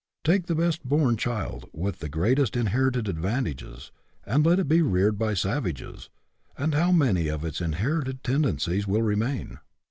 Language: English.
Take the best born child, with the greatest inherited advantages, and let it be reared by savages, and how many of its inherited tendencies will remain?